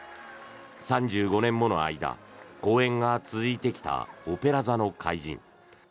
３５年もの間、公演が続いてきた「オペラ座の怪人」。